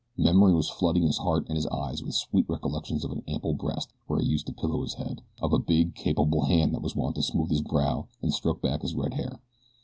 Memory was flooding his heart and his eyes with sweet recollections of an ample breast where he used to pillow his head, of a big capable hand that was wont to smooth his brow and stroke back his red hair.